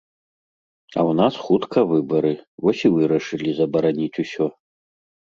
А ў нас хутка выбары, вось і вырашылі забараніць усё.